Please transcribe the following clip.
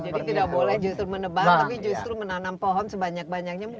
jadi tidak boleh justru menebang tapi justru menanam pohon sebanyak banyaknya